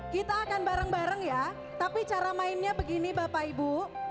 kita akan bareng bareng ya tapi cara mainnya begini bapak ibu